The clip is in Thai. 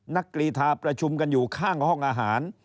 กรีธาประชุมกันอยู่ข้างห้องอาหาร